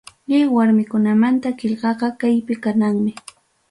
Lliw warmikunamanta qillqaqa, kaypi kananmi.